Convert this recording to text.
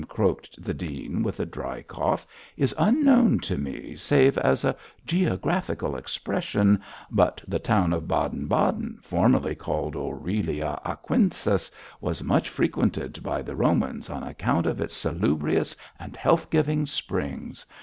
croaked the dean, with a dry cough, 'is unknown to me save as a geographical expression, but the town of Baden Baden, formally called Aurelia Aquensis, was much frequented by the Romans on account of its salubrious and health giving springs.